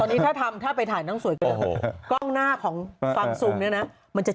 ตอนนี้ถ้าทำถ้าไปถ่ายต้องสวยกัน